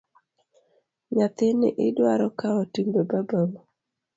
Nyathini idwaro kawo timbe babau.